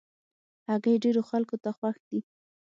هګۍ ډېرو خلکو ته خوښ دي.